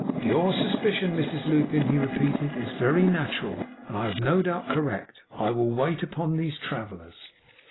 'Your suspicion, Mrs Lupin,' he repeated, 'is very natural, and I have no doubt correct. I will wait upon these travellers.